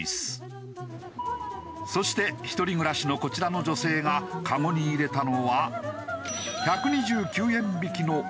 そして一人暮らしのこちらの女性がカゴに入れたのは。